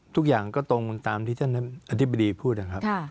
ทุกอย่างก็ตรงตามที่ท่านอธิบดีพูดนะครับ